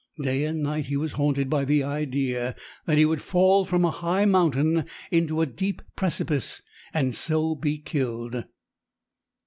Day and night he was haunted by the idea that he would fall from a high mountain into a deep precipice, and so be killed.